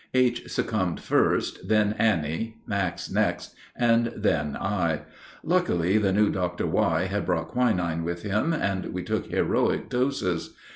H. succumbed first, then Annie, Max next, and then I. Luckily, the new Dr. Y. had brought quinine with him, and we took heroic doses.